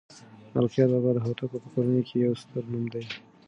ملکیار بابا د هوتکو په کورنۍ کې یو ستر نوم دی